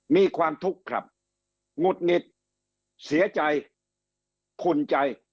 มีความทุกข์ครับหงุดหงิดเสียใจขุ่นใจ